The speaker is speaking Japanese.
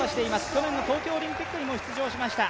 去年の東京オリンピックにも出場しました。